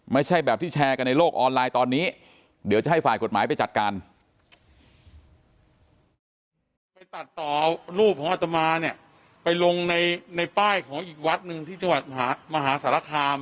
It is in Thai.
ไม่ใช่แบบที่แชร์กันในโลกออนไลน์ตอนนี้เดี๋ยวจะให้ฝ่ายกฎหมายไปจัดการ